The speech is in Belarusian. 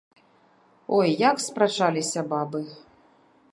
Ой, як спрачаліся бабы.